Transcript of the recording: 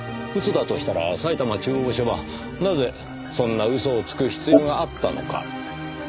嘘だとしたら埼玉中央署はなぜそんな嘘をつく必要があったのか。